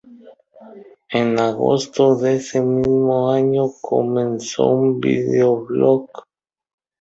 En agosto de ese mismo año, comenzó un vídeo-blog.